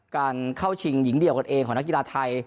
การเข้าชิงหญิงเดี่ยวกันเองของนักกีฬาไทย